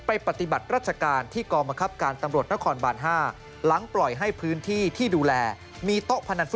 ไปปฏิบัติรัชการที่กองมีมังคับการตำรวจนครบานขุนน้ำ๕